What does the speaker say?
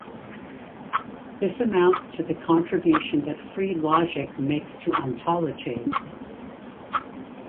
This amounts to the contribution that free logic makes to ontology.